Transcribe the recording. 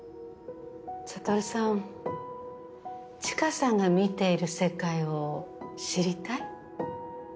悟さん知花さんが見ている世界を知りたい？